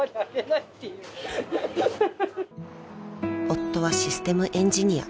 ［夫はシステムエンジニア。